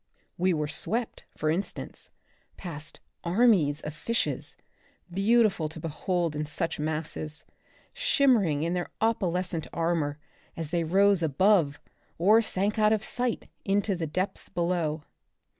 We were swept, for instance, past armies of fishes, beautiful to behold in such masses, shimmering in their opalescent armor as they rose above, or sank out of sight into the depths below.